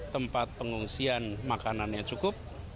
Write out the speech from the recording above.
tempat pengungsian makanannya cukup